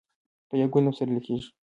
په یو ګل نه پسرلې کیږي.